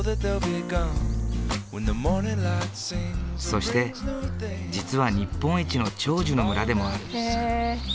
そして実は日本一の長寿の村でもある。